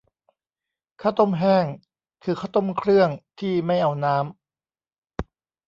ข้าวต้มแห้ง คือข้าวต้มเครื่องที่ไม่เอาน้ำ